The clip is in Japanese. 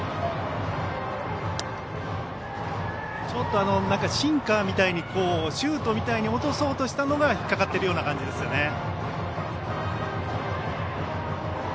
ちょっとシンカーみたいにシュートみたいに落とそうとしたのが引っかかっている感じですよね。